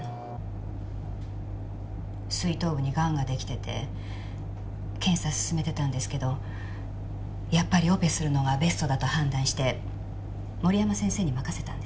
膵頭部に癌が出来てて検査進めてたんですけどやっぱりオペするのがベストだと判断して森山先生に任せたんです。